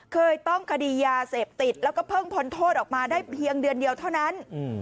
เคยต้องคดียาเสพติดแล้วก็เพิ่งพ้นโทษออกมาได้เพียงเดือนเดียวเท่านั้น